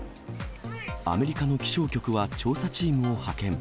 アメリカの気象局は調査チームを派遣。